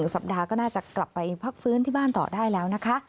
สัปดาห์ก็น่าจะกลับไปพักฟื้นที่บ้านต่อได้แล้วนะคะ